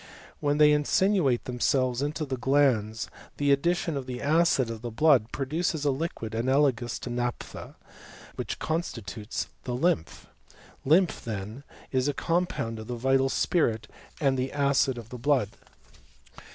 When they insinuate themselves into the glands the addition of the acid of the blood produces a liquid ^alogous to naphtha, which constitutes the lymph* %mphy then, is a compound of the vital spirit and o2 196 HISTORY OF CHEMISTRY. the acid of the blood.